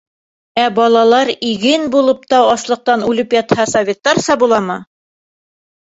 — Ә балалар, иген булып та, аслыҡтан үлеп ятһа советтарса буламы?